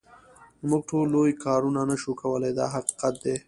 موږ ټول لوی کارونه نه شو کولای دا حقیقت دی.